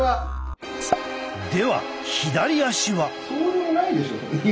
では左足は？